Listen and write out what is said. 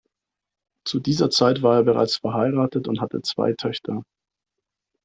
Zu dieser Zeit war er bereits verheiratet und hatte zwei Töchter.